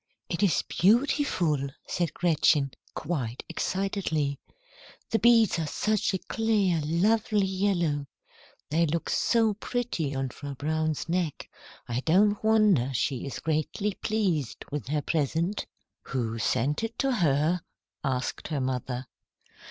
"It is beautiful," said Gretchen, quite excitedly. "The beads are such a clear, lovely yellow. They look so pretty on Frau Braun's neck, I don't wonder she is greatly pleased with her present." "Who sent it to her?" asked her mother.